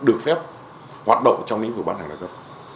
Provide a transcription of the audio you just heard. được phép hoạt động trong những vụ bán hàng đa cấp